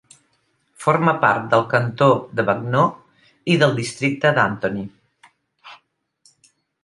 Forma part del cantó de Bagneux i del districte d'Antony.